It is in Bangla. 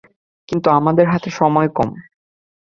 কিন্তু আমাদের হাতে সময় কম।